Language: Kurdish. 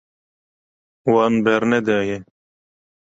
Wan bernedaye.